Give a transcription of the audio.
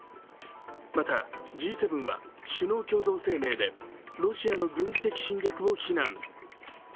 また、Ｇ７は首脳共同声明でロシアの軍事的侵略を非難。